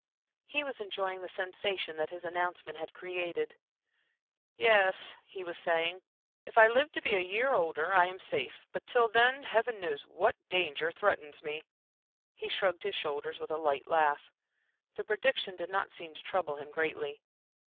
He was enjoying the sensation that his announcement had created. "Yes," he was saying, "if I live to be a year older, I am safe; but till then Heaven knows what danger threatens me!" He shrugged his shoulders with a light laugh. The prediction did not seem to trouble him greatly.